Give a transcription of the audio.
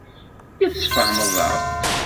I tesfehmeḍ-aneɣ-d?